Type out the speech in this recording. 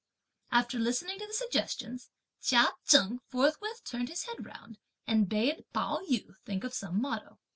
After listening to the suggestions, Chia Cheng forthwith turned his head round and bade Pao yü think of some motto.